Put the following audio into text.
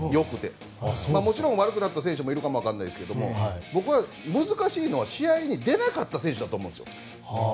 もちろん悪くなった選手もいると思いますが難しいのは試合に出なかった選手だと思うんです。